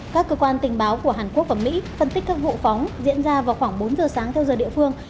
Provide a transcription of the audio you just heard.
các cơ quan tình báo của hàn quốc và mỹ phân tích các vụ phóng diễn ra vào khoảng bốn giờ sáng theo giờ địa phương